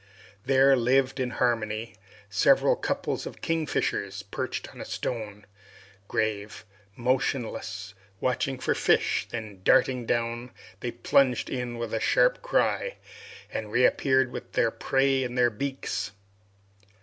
There lived in harmony several couples of kingfishers perched on a stone, grave, motionless, watching for fish, then darting down, they plunged in with a sharp cry, and reappeared with their prey in their beaks.